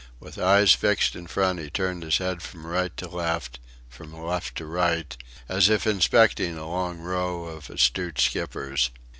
With eyes fixed in front he turned his head from right to left, from left to right, as if inspecting a long row of astute skippers.